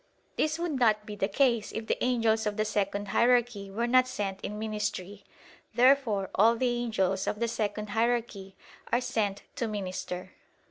This would not be the case if the angels of the second hierarchy were not sent in ministry. Therefore all the angels of the second hierarchy are sent to minister.